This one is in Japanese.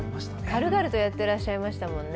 軽々とやっていらっしゃいましたよね。